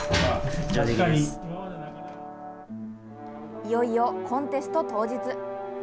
いよいよコンテスト当日。